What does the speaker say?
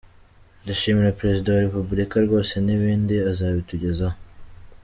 Ndashimira Perezida wa Republika, rwose n’ibindi azabitugezaho”.